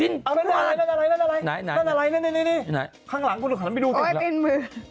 นั่นอะไรข้างหลังกูถึงขนมไปดูละเห็นแล้ว